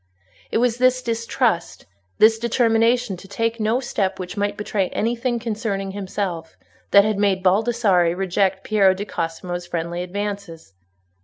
It was this distrust, this determination to take no step which might betray anything concerning himself, that had made Baldassarre reject Piero di Cosimo's friendly advances.